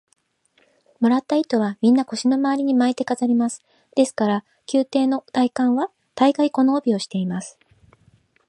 もらった糸は、みんな腰のまわりに巻いて飾ります。ですから、宮廷の大官は大がい、この帯をしています。